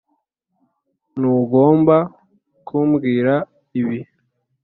ntugomba kumbwira ibi.